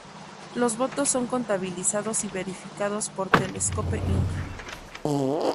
Los votos son contabilizados y verificados por Telescope Inc.